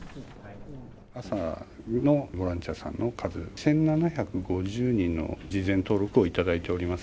朝のボランティアさんの数、１７５０人の事前登録をいただいております。